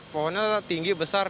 pohonnya tinggi besar